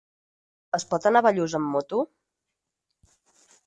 Es pot anar a Bellús amb moto?